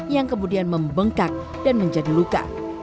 yang kemudian membengkak dan menjadi luka